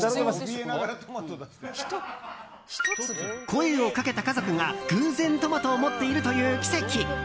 声をかけた家族が偶然トマトを持っているという奇跡。